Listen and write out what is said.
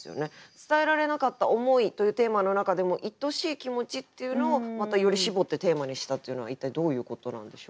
「伝えられなかった思い」というテーマの中でも「いとしい気持ち」っていうのをまたより絞ってテーマにしたというのは一体どういうことなんでしょうか？